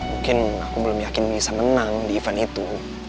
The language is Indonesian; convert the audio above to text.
mungkin aku belum yakin bisa menang di event itu